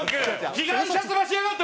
被害者ヅラしやがって！